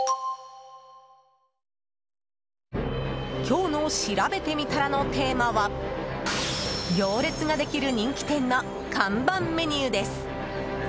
今日のしらべてみたらのテーマは行列ができる人気店の看板メニューです。